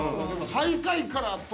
最下位からと思ったら。